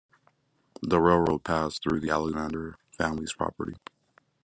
The railroad passed through the Alexander family's property.